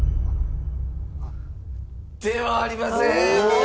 ではありません！